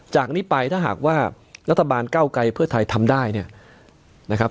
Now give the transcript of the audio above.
จากนี้ไปถ้าหากว่ารัฐบาลเก้าไกลเพื่อไทยทำได้เนี่ยนะครับ